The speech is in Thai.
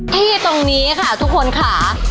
ที่ตรงนี้ค่ะทุกคนค่ะ